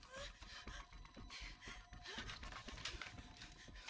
gua mau mati tau gak abis gua bisa aja kan lo berdua